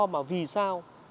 mà vì sao